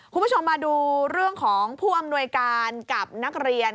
คุณผู้ชมมาดูเรื่องของผู้อำนวยการกับนักเรียน